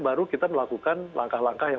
baru kita melakukan langkah langkah yang